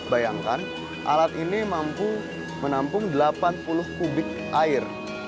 bayangkan alat ini mampu menampung delapan puluh kubik air